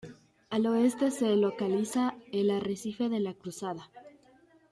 Al oeste se localiza el arrecife de la Cruzada.